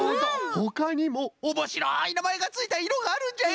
ほかにもおもしろいなまえがついたいろがあるんじゃよ！